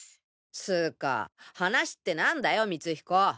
つか話って何だよ光彦。